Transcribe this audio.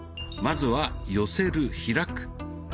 まずは「寄せる・開く」。